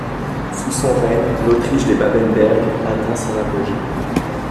Sous son règne, l’Autriche des Babenberg atteint son apogée.